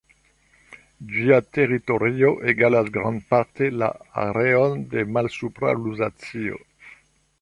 Ĝia teritorio egalas grandparte la areon de Malsupra Luzacio.